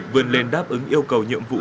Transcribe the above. vươn lên đáp ứng yêu cầu nhiệm vụ